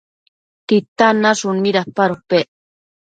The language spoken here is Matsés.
¿Titan nashun midapadopec?